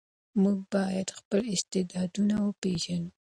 موږ باید خپل استعدادونه وپېژنو.